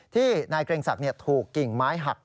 นายเกรงศักดิ์ถูกกิ่งไม้หัก